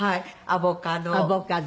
アボカド。